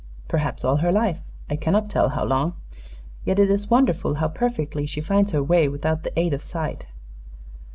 "Perhaps all her life; I cannot tell how long. Yet it is wonderful how perfectly she finds her way without the aid of sight.